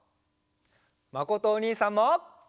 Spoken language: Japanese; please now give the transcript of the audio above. まことおにいさんも。